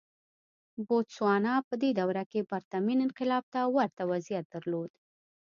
بوتسوانا په دې دوره کې پرتمین انقلاب ته ورته وضعیت درلود.